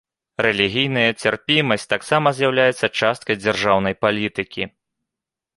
Рэлігійная цярпімасць таксама з'яўляецца часткай дзяржаўнай палітыкі.